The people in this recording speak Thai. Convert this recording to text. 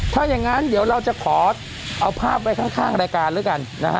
ทางกลุ่มมวลชนทะลุฟ้าทางกลุ่มมวลชนทะลุฟ้า